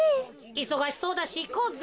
いそがしそうだしいこうぜ。